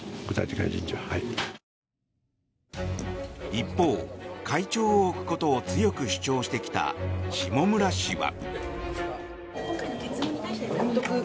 一方、会長を置くことを強く主張してきた下村氏は。